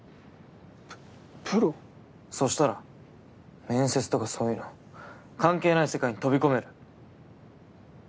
そしたら面接とかそういうの関係ない世界に飛び込める。